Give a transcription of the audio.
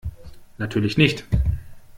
Natürlich nicht.